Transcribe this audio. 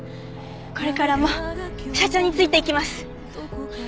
これからも社長についていきます。